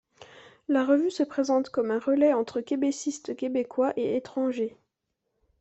La revue se présente comme un relais entre les québécistes québécois et étrangers.